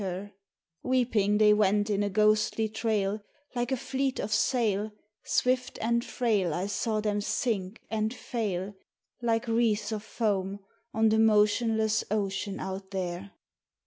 io8 LAMENT OF FITHIR Weeping they went in a ghostly trail Like a fleet of sail, Swift and frail I saw them sink and fail Like wreaths of foam on the motionless ocean out there.